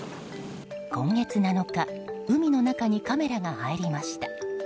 今月７日海の中にカメラが入りました。